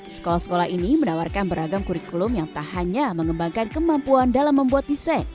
sekolah sekolah ini menawarkan beragam kurikulum yang tak hanya mengembangkan kemampuan dalam membuat desain